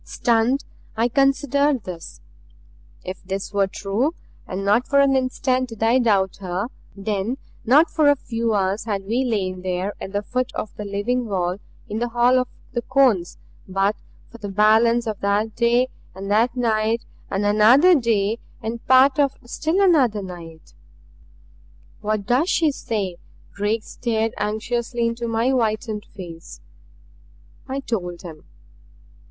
Stunned, I considered this. If this were true and not for an instant did I doubt her then not for a few hours had we lain there at the foot of the living wall in the Hall of the Cones but for the balance of that day and that night, and another day and part of still another night. "What does she say?" Drake stared anxiously into my whitened face. I told him.